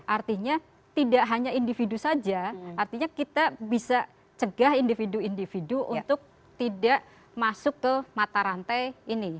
artinya tidak hanya individu saja artinya kita bisa cegah individu individu untuk tidak masuk ke mata rantai ini